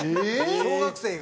小学生が？